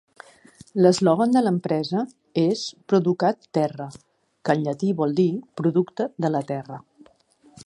L'eslògan de l'empresa és "Producat Terra", que en llatí vol dir "Producte de la terra".